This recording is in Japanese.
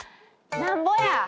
なんぼや！